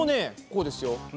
こうですよ。